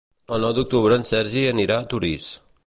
El nou d'octubre en Sergi anirà a Torís.